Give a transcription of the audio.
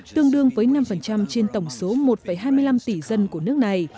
tương đương với năm trên tổng số một hai mươi năm tỷ dân của nước này